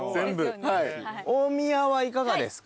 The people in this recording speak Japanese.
大宮はいかがですか？